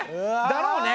「だろうね」